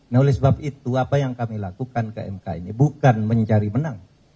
nah oleh sebab itu apa yang kami lakukan ke mk ini bukan mencari menang